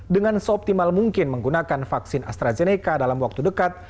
dengan seoptimal mungkin menggunakan vaksin astrazeneca dalam waktu dekat